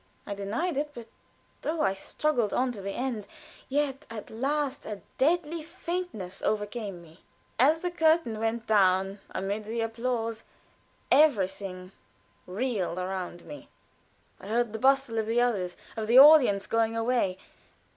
I denied it. But though I struggled on to the end, yet at last a deadly faintness overcame me. As the curtain went down amid the applause, everything reeled around me. I heard the bustle of the others of the audience going away.